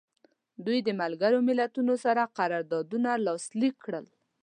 دوی د ملګرو ملتونو سره قراردادونه لاسلیک کړل.